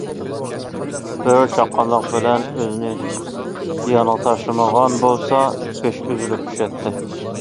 بۆرە چاققانلىق بىلەن ئۆزىنى يانغا تاشلىمىغان بولسا، بېشى ئۈزۈلۈپ چۈشەتتى.